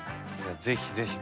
ぜひぜひ。